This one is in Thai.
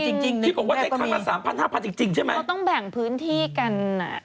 พี่บอกว่าได้ทางละ๓๐๐๐๕๐๐๐จริงใช่ไหมเขาต้องแบ่งพื้นที่กัน